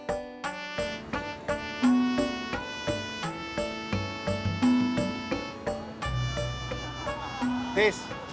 ada apa be